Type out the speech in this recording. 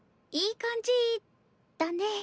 いい感じだね。